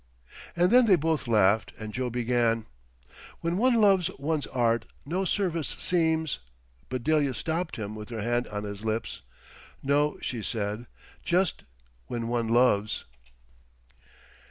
And then they both laughed, and Joe began: "When one loves one's Art no service seems—" But Delia stopped him with her hand on his lips. "No," she said—"just 'When one loves.